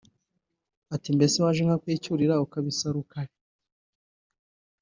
ati “Mbese waje nkakwicyurira ukabisa Rukali